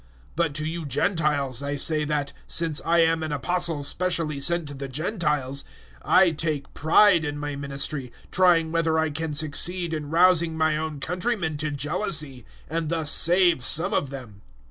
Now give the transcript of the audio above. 011:013 But to you Gentiles I say that, since I am an Apostle specially sent to the Gentiles, I take pride in my ministry, 011:014 trying whether I can succeed in rousing my own countrymen to jealousy and thus save some of them.